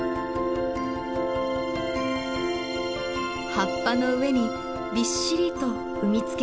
葉っぱの上にびっしりと産み付けられました。